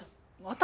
私？